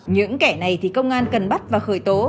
những kẻ này thì công an cần bắt và khởi tố